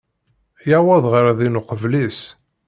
Yuwweḍ ɣer din uqbel-is.